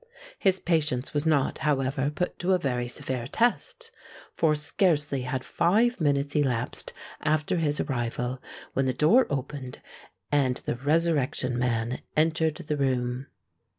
His patience was not, however, put to a very severe test; for scarcely had five minutes elapsed after his arrival, when the door opened, and the Resurrection Man entered the room.